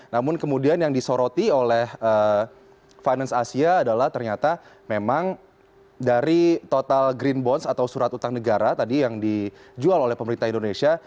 namun kemudian yang disoroti oleh finance asia adalah ternyata memang dari total green bonds atau surat utang negara tadi yang dijual oleh pemerintah indonesia